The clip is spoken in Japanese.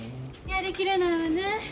やりきれないわね。